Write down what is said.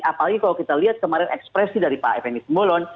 apalagi kalau kita lihat kemarin ekspresi dari pak fnd simbolon